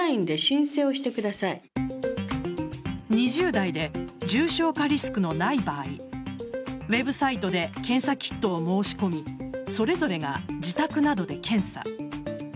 ２０代で重症化リスクのない場合ウェブサイトで検査キットを申し込みそれぞれが自宅などで検査。